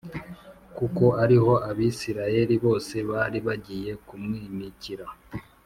kuko ari ho Abisirayeli bose bari bagiye kumwimikira